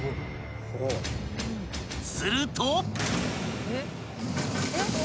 ［すると］